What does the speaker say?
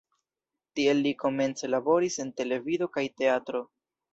Tie li komence laboris en televido kaj teatro.